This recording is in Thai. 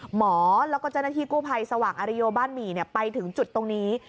หมอแล้วก็เจ้าหน้าที่กู้ภัยสว่างอริโยบ้านหมี่ไปถึงจุดตรงนี้